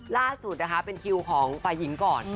ล่าสุดนะคะเป็นคิวของฝ่ายหญิงก่อน